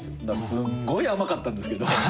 すんごい甘かったんですけど。